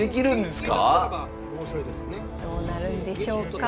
どうなるんでしょうか。